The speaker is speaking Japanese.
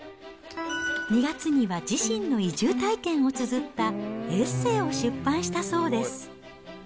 ２月には自身の移住体験をつづったエッセイを出版したそうです。